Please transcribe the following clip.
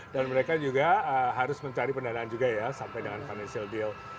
dan mereka juga harus mencari pendanaan juga ya sampai dengan financial deal